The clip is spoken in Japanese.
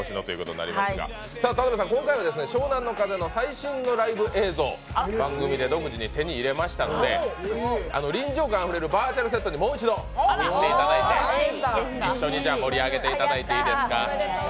今回は湘南乃風の最新のライブ映像、番組で独自に手に入れましたので臨場感あふれるバーチャルセットでもう一度行っていただいて一緒に盛り上げていただいていいですか。